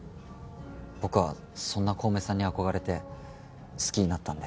僕はそんな小梅さんに憧れて好きになったんです。